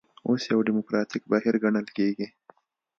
اوس یو ډیموکراتیک بهیر ګڼل کېږي.